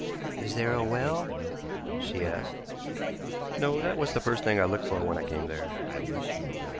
"Is there a well?" she asked. "No; that was the first thing I looked for when I came there."